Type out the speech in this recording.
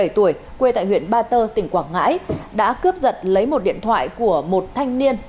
ba mươi tuổi quê tại huyện ba tơ tỉnh quảng ngãi đã cướp giật lấy một điện thoại của một thanh niên